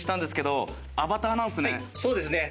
そうですね。